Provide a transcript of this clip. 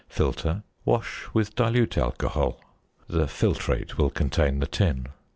Filter, wash with dilute alcohol. (The filtrate will contain the tin.)